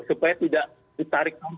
supaya tidak ditarikkan